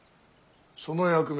その役目